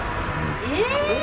えっ！？